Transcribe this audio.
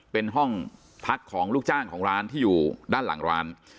เป็นห้องพักของลูกจ้างของร้านที่อยู่ด้านหลังร้าน